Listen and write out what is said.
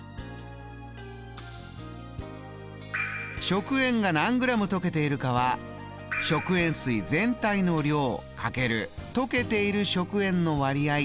食塩が何グラム溶けているかは食塩水全体の量掛ける溶けている食塩の割合